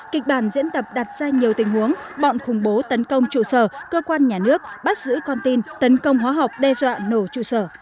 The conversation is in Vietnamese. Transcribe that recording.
kịch bản diễn tập đặt ra nhiều tình huống bọn khủng bố tấn công trụ sở cơ quan nhà nước bắt giữ con tin tấn công hóa học đe dọa nổ trụ sở